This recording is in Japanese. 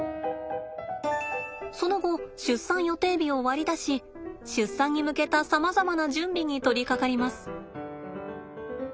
その後出産予定日を割り出し出産に向けたさまざまな準備に取りかかります。